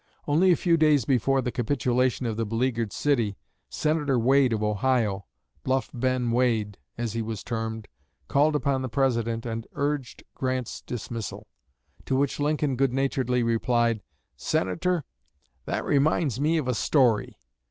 Only a few days before the capitulation of the beleaguered city, Senator Wade of Ohio "Bluff Ben Wade," as he was termed called upon the President and urged Grant's dismissal; to which Lincoln good naturedly replied, "Senator, that reminds me of a story."